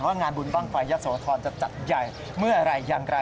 ว่างานบุญป้องไฟยศโทษธรณ์จะจัดใหญ่เมื่ออะไรอย่างไร